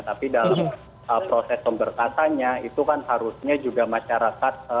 tapi dalam proses pemberkatannya itu kan harusnya juga masyarakat